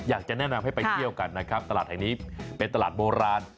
อยากจะแนะนำให้ไปเที่ยวกันนะครับตลาดแห่งนี้เป็นตลาดโบราณ